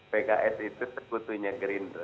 pks itu terbutuhnya gerindra ya